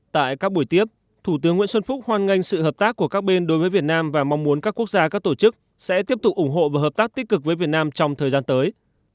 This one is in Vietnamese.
tại các buổi tiếp thủ tướng nguyễn xuân phúc hoan nghênh sự hợp tác của các bên đối với việt nam và mong muốn các quốc gia các tổ chức sẽ tiếp tục ủng hộ và hợp tác tích cực với việt nam trong thời gian tới